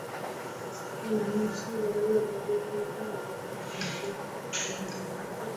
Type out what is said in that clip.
ananisha baraza la gordon brown lililokuwa na wajumbe thelathini na mmoja